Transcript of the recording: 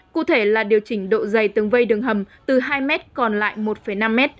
cụ thể là điều chỉnh độ dày tương vây đường hầm từ hai m còn lại một năm m